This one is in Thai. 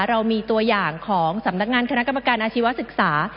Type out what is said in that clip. เรามีตัวอย่างของสำนักงานคณะกรรมการอาชีวศึกษา